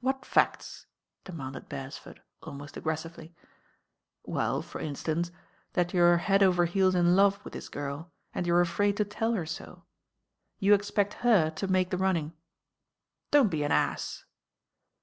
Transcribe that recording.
"What facts?" demanded Beresford, abnost aggressively. "Well, for instance, that you're head over heels in love with this girl and you're afraid to tell her so. You expect her to make the running." "Don't be an ass."